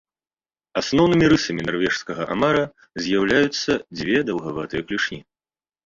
Асноўнымі рысамі нарвежскага амара з'яўляюцца дзве даўгаватыя клюшні.